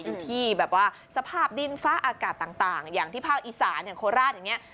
ที่แบบว่าสภาพดินฟ้าอากาศต่างอย่างที่ภาคอีสานอย่างโคราชอย่างนี้